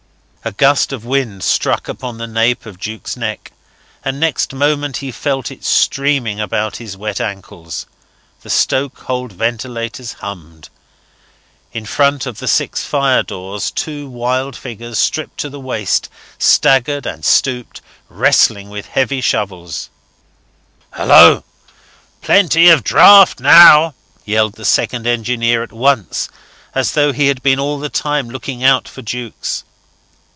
A gust of wind struck upon the nape of Jukes' neck and next moment he felt it streaming about his wet ankles. The stokehold ventilators hummed: in front of the six fire doors two wild figures, stripped to the waist, staggered and stooped, wrestling with two shovels. "Hallo! Plenty of draught now," yelled the second engineer at once, as though he had been all the time looking out for Jukes.